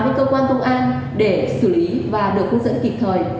với cơ quan công an để xử lý và được hướng dẫn kịp thời